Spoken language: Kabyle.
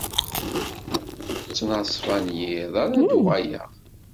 Ttnaṣfa n yiḍ ara d-uɣaleɣ.